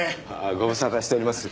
ご無沙汰しております。